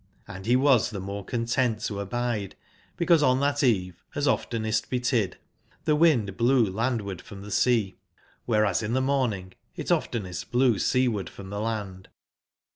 Hnd be was tbe more content to abide, because on tbat eve, as of ten est betid, tbe wind blew landward from tbe sea, wbereas in tbe morning it often est blew seaward from tbe land.